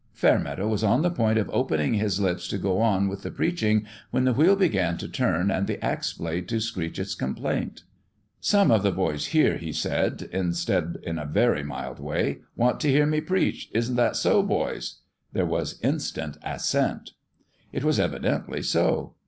Fairmeadow was on the point of opening his lips to go on with the preaching when the wheel began to turn and the axe blade to screech its complaint. " Some of the boys, here," he said, instead, in a very mild way, " want to hear me preach. Isn't that so, boys?" There was in stant assent. It was evidently so.